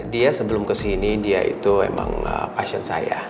dia sebelum kesini dia itu emang passion saya